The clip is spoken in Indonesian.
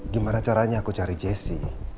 gimana caranya aku cari jesse